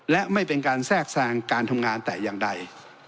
และไม่เป็นการแทรกแทรงการทำงานแต่อย่างใด